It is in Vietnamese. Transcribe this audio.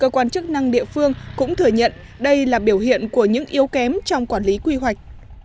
cơ quan chức năng địa phương cũng thừa nhận đây là biểu hiện của những yếu kém trong quản lý quy hoạch